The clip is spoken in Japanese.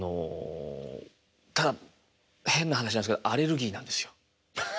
ただ変な話なんですけどアレルギーなんですよ。